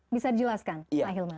bisa dijelaskan pak hilman